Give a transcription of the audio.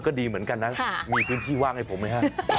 ก็ดีเหมือนกันนะมีพื้นที่ว่างให้ผมไหมฮะ